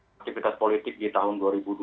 aktivitas politik di tahun dua ribu dua puluh